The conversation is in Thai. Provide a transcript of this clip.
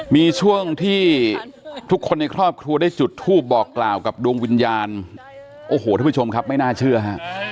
มีช่วงที่ทุกคนในครอบครัวได้จุดทูปบอกกล่าวกับดวงวิญญาณโอ้โหท่านผู้ชมครับไม่น่าเชื่อฮะ